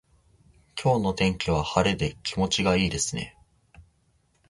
今日の天気は晴れで気持ちがいいですね。